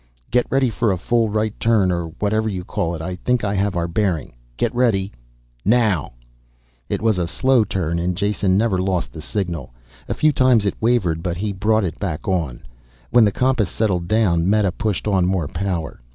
"Get ready for a full right turn, or whatever you call it. I think I have our bearing. Get ready now." It was a slow turn and Jason never lost the signal. A few times it wavered, but he brought it back on. When the compass settled down Meta pushed on more power.